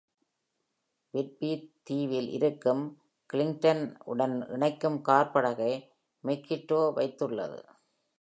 Whidbey தீவில் இருக்கும் Clinton உடன் இணைக்கும் கார் படகை Mukilteo வைத்துள்ளது.